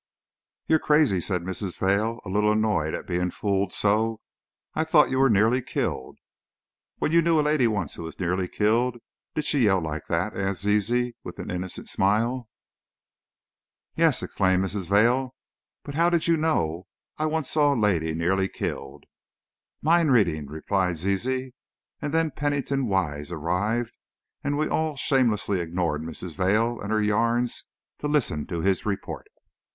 "You're crazy!" said Mrs. Vail, a little annoyed at being fooled so. "I thought you were nearly killed!" "When you knew a lady once who was nearly killed did she yell like that?" asked Zizi, with an innocent smile. "Yes!" exclaimed Mrs. Vail; "but how did you know I once saw a lady nearly killed?" "Mind reading!" replied Zizi, and then Pennington Wise arrived, and we all shamelessly ignored Mrs. Vail and her yarns to listen to his report.